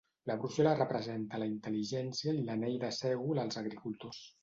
La brúixola representava la intel·ligència i l'anell de sègol els agricultors.